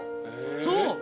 そう！